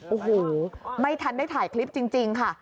โอ้โหไม่ทันได้ถ่ายคลิปจริงค่ะ